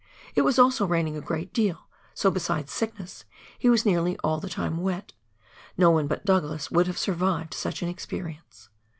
It was also raining a great deal, so, besides sickness, he was nearly all the time wet ; no one but Douglas would have survived such an experience.